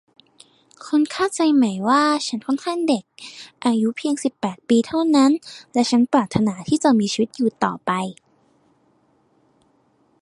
คุณเข้าใจไหมว่าฉันค่อนข้างเด็ก อายุเพียงสิบแปดปีเท่านั้น และฉันปรารถนาที่จะมีชีวิตอยู่ต่อไป